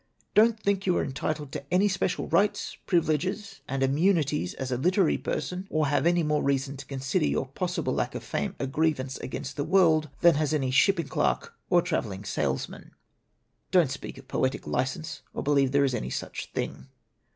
"Don't think you are entitled to any special rights, privileges, and immunities as a literary person, or have any more reason to consider your possible lack of fame a grievance against the world than has any shipping clerk or traveling salesman. "Don't speak of poetic license or believe that there is any such thing.